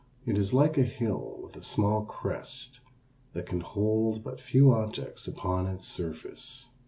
It is like a hill with a small crest that can hold but few objects upon its surface.